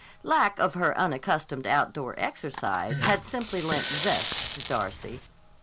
Lack of her accustomed outdoor exercise had simply lent zest to Darcy.